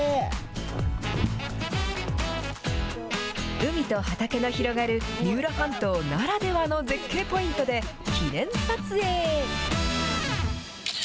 海と畑の広がる三浦半島ならではの絶景ポイントで、記念撮影。